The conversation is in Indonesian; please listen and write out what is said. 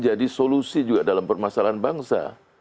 jadi solusi juga dalam permasalahan bangsa